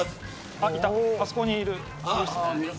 あそこにいる。